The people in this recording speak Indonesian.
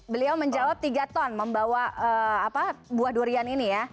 beliau menjawab tiga ton membawa buah durian ini ya